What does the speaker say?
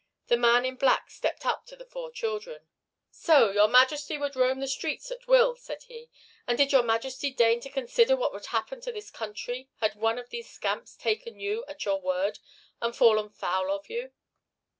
The man in black stepped up to the four children. "So your Majesty would roam the streets at will?" said he. "And did your Majesty deign to consider what would happen to this country had one of these scamps taken you at your word and fallen foul of you?"